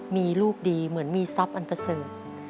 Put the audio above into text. มีลูกดีเหมือนมีทรัพย์อันประเสริฐ